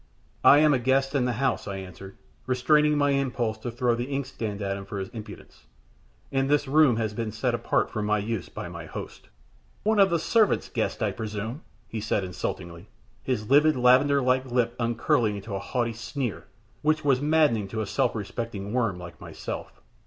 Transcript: "I am a guest in the house," I answered, restraining my impulse to throw the inkstand at him for his impudence. "And this room has been set apart for my use by my host." "One of the servant's guests, I presume?" he said, insultingly, his lividly lavender like lip upcurling into a haughty sneer, which was maddening to a self respecting worm like myself.